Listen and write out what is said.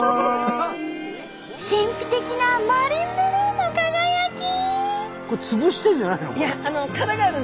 神秘的なマリンブルーの輝き！